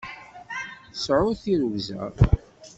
Sɛut tirrugza!